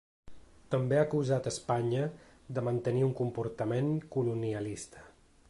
També ha acusat Espanya de mantenir un comportament ‘colonialista’.